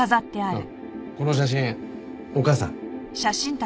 あっこの写真お母さん？